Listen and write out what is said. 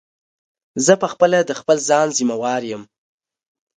زه په خپله د خپل ځان ضیموار یم.